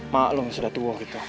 maklum sudah tua gitu